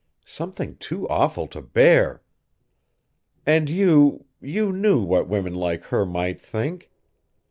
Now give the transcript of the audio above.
something too awful to bear! And you, you knew what women like her might think!